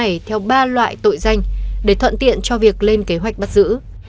ban chuyên án đã chia băng ổ nhóm này theo ba loại tội danh để thuận tiện cho việc lên kế hoạch bắt giữ